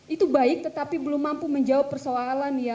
itu baik tetapi belum mampu menjawab persoalan ya